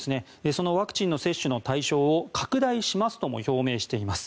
そのワクチンの接種の対象を拡大しますとも表明しています。